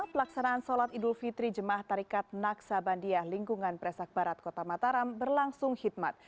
pelaksanaan sholat idul fitri jemaah tarikat naksabandia lingkungan presak barat kota mataram berlangsung hikmat